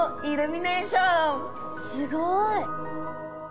すごい。